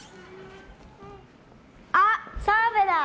あ、澤部だ。